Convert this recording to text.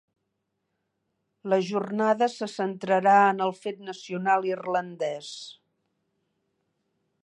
La jornada se centrarà en el fet nacional irlandès.